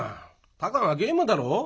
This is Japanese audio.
たかがゲームだろ？